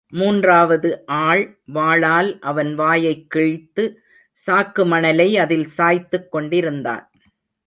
மூன்றாவது ஆள் வாளால் அவன் வாயைக் கிழித்து, சாக்கு மணலை அதில் சாய்த்துக் கொண்டிருந்தான்.